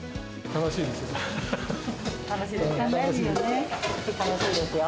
楽しいですよ。